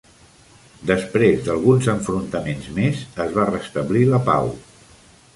Després d'alguns enfrontaments més, es va restablir la pau.